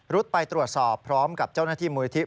ไปตรวจสอบพร้อมกับเจ้าหน้าที่มูลที่